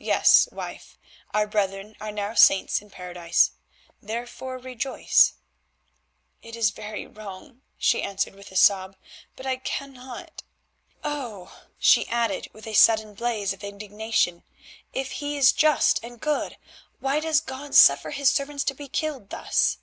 "Yes, wife, our brethren are now saints in Paradise, therefore rejoice." "It is very wrong," she answered with a sob, "but I cannot. Oh!" she added with a sudden blaze of indignation, "if He is just and good, why does God suffer His servants to be killed thus?"